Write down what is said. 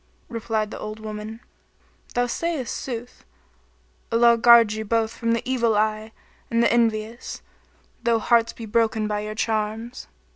Replied the old woman, "Thou sayest sooth, Allah guard you both from the evil eye and the envious, though hearts be broken by your charms!"